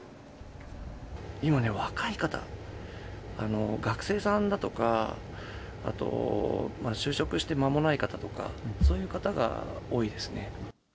今ね、若い方、学生さんだとか、あと就職して間もない方とか、そういう方が多いですね。